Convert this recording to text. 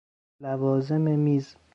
لوازم میز